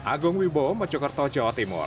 agung wibo mejokerto jawa timur